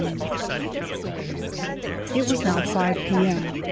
II It was now five p.m.